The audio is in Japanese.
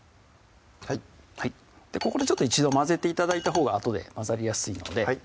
ここでちょっと一度混ぜて頂いたほうがあとで混ざりやすいのではい